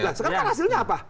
nah sekarang kan hasilnya apa